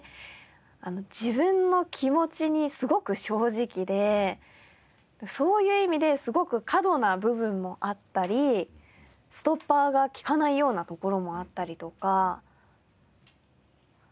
自分の気持ちにすごく正直でそういう意味ですごく過度な部分もあったりストッパーが利かないようなところもあったりとかするんですよね。